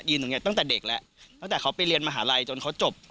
ตรงนี้ตั้งแต่เด็กแล้วตั้งแต่เขาไปเรียนมหาลัยจนเขาจบ